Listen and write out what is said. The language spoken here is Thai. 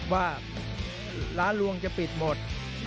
ว่าร้านลวงจะปิดหมด